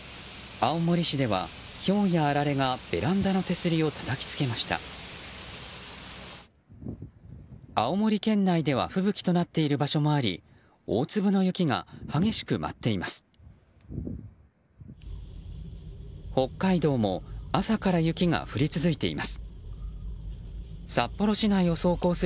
青森県内では吹雪となっている場所もあり大粒の雪が激しく舞っています。